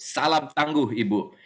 salam tangguh ibu